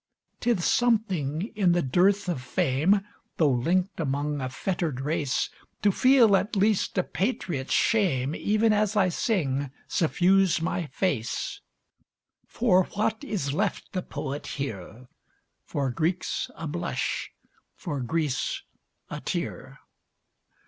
'Tis something, in the dearth of fame, Though linked among a fettered race, To feel at least a patriot's shame, Even as I sing, suffuse my face: For what is left the poet here? For Greeks a blush for Greece a tear.